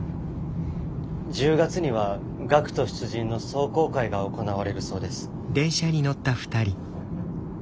１０月には学徒出陣の壮行会が行われるそうです。